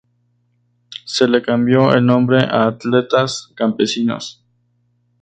Se le cambió el nombre a Atletas Campesinos.